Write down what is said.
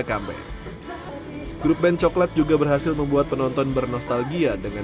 kame grup band coklat juga berhasil membuat penonton bernostalgia dengan